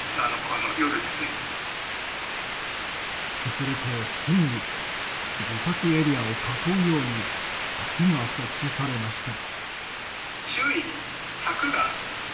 すると、すぐに自宅エリアを囲うように柵が設置されました。